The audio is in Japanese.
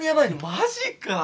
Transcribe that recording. マジかよ。